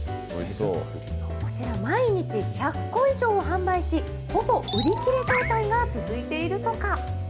こちら、毎日１００個以上販売し、ほぼ売り切れ状態が続いているとか。